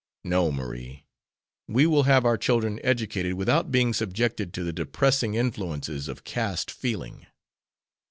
No, Marie, we will have our children educated without being subjected to the depressing influences of caste feeling.